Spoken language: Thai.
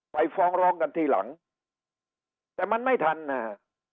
ฟ้องร้องกันทีหลังแต่มันไม่ทันนะฮะ